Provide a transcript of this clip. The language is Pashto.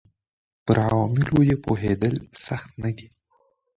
پر عواملو یې پوهېدل سخت نه دي.